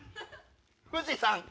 富士山。